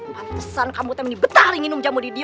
mantesan kamu ini betar yang minum jamu di dia